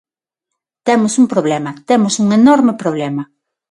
Temos un problema, temos un enorme problema.